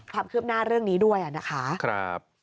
หน้าเรื่องนี้ด้วยนะคะ